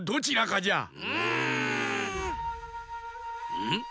うん？